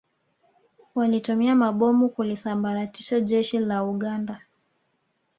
Walitumia mabomu kulisambaratisha Jeshi la Uganda